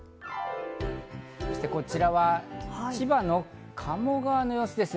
こちらは千葉の鴨川の様子ですね。